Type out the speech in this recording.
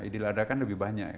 idil adha kan lebih banyak ya